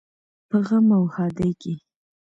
په غم او ښادۍ کې.